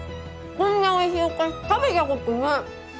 こんな美味しいお菓子食べた事ない！